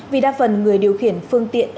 vì đa phần người điều khiển phương tiện